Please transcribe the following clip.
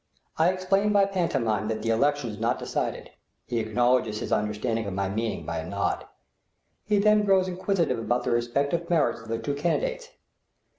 I explain by pantomime that the election is not decided; he acknowledges his understanding of my meaning by a nod. He then grows inquisitive about the respective merits of the two candidates.